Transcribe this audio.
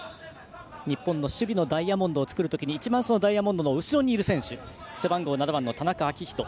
日本の守備のダイヤモンドを作るときに一番、そのダイヤモンドの後ろにいる選手背番号７の田中章仁。